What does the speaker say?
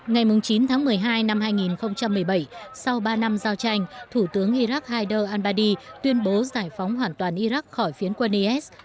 ngày chín tháng một mươi hai năm hai nghìn một mươi bảy sau ba năm giao tranh thủ tướng iraq haider albadi tuyên bố giải phóng hoàn toàn iraq khỏi phiến quân is